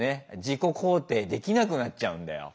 自己肯定できなくなっちゃうんだよ。